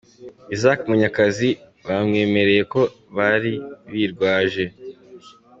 Isaac Munyakazi, bamwemereye ko bari birwaje.